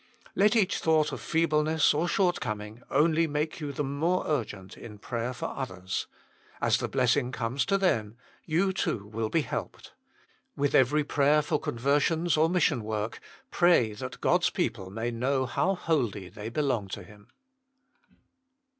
Let each thought of feebleness or shortcoming only make you the more urgent iu prayer for others ; as the blessing comes to them, you too will be helped. With every prayer for conversions or mission work, pray that God s people may know how wholly they belong to Him.